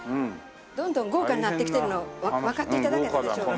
どんどん豪華になってきてるのわかって頂けたでしょうか？